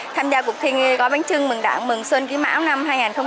tham gia cuộc thi gói bánh chưng mừng đảng mừng xuân quý mão năm hai nghìn hai mươi ba